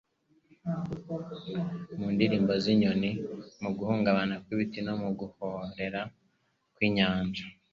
Mu ndirimbo z’inyoni, mu guhungabana kw’ibiti no mu guhorera kw’inyanja